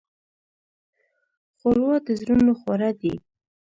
ښوروا د زړونو خواړه دي.